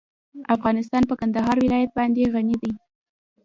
افغانستان په کندهار ولایت باندې غني دی.